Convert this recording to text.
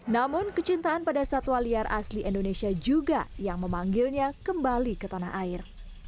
namun kecintaan pada satwa liar asli indonesia juga yang memanggilnya kembali ke tanah air